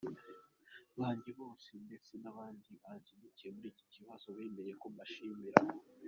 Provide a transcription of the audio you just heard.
banjye bose ndetse nabandi banshyigikiye muri iki kibazo bamenye ko mbashimira.